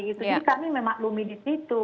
jadi kami memaklumi di situ